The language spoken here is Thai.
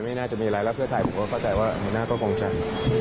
ไม่น่าจะมีอะไรพี่ถ่ายบอกได้ว่ามีหัวหน้ากลงแชตต์